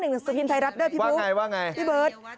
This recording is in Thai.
แม่ของแม่ชีอู๋ได้รู้ว่าแม่ของแม่ชีอู๋ได้รู้ว่า